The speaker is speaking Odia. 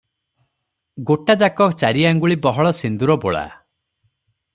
ଗୋଟାଯାକ ଚାରିଆଙ୍ଗୁଳି ବହଳ ସିନ୍ଦୂରବୋଳା ।